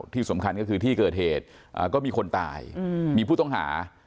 ที่สำคัญก็คือที่เกิดเหตุก็มีคนตายมีผู้ต้องหา